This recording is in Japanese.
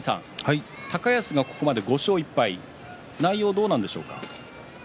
高安がここまで５勝１敗内容はどうでしょうか。